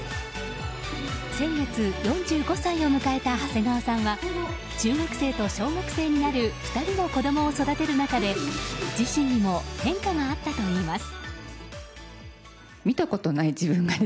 先月４５歳を迎えた長谷川さんは中学生と小学生になる２人の子供を育てる中で自身にも変化があったといいます。